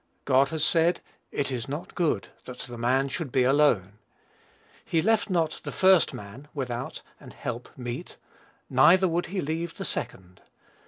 God has said, "it is not good that the man should be alone." He left not "the first man" without "an help meet;" neither would he leave the "Second."